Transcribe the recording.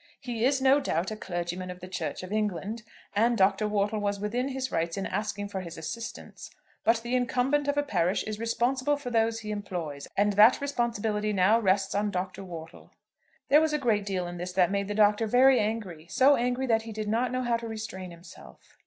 He is no doubt a clergyman of the Church of England, and Dr. Wortle was within his rights in asking for his assistance; but the incumbent of a parish is responsible for those he employs, and that responsibility now rests on Dr. Wortle." There was a great deal in this that made the Doctor very angry, so angry that he did not know how to restrain himself.